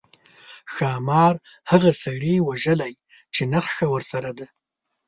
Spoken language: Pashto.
ښامار هغه سړي وژلی چې نخښه ورسره ده.